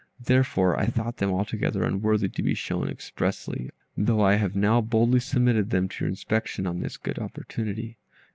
Therefore, I thought them altogether unworthy to be shown expressly, though I have now boldly submitted them to your inspection on this good opportunity."